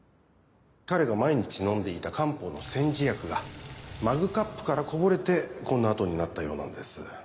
彼が毎日飲んでいた漢方の煎じ薬がマグカップからこぼれてこんな跡になったようなんです